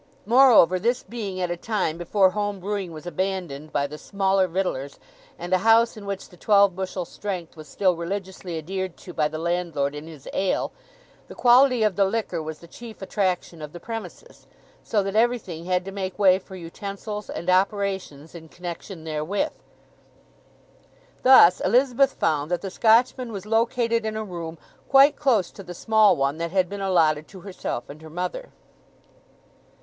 Moreover, this being at a time before home brewing was abandoned by the smaller victuallers, and a house in which the twelve bushel strength was still religiously adhered to by the landlord in his ale, the quality of the liquor was the chief attraction of the premises, so that everything had to make way for utensils and operations in connection therewith. Thus Elizabeth found that the Scotchman was located in a room quite close to the small one that had been allotted to herself and her mother.